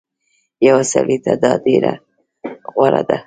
يو سړي ته دا ډير غوره ده